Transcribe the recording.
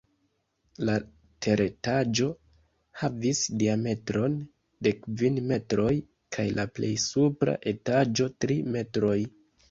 La teretaĝo havis diametron de kvin metroj kaj la plej supra etaĝo tri metroj.